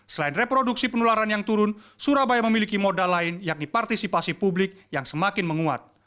selain reproduksi penularan yang turun surabaya memiliki modal lain yakni partisipasi publik yang semakin menguat